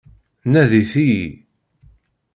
Nadit-iyi.